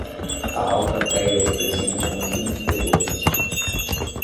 A alcateia representa um conjunto de lobos